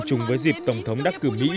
chùng với dịp tổng thống đắc cử mỹ